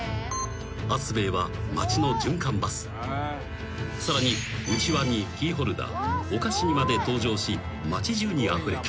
［あつべえは町の循環バスさらにうちわにキーホルダーお菓子にまで登場し町じゅうにあふれた］